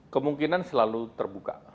kemungkinan selalu terbuka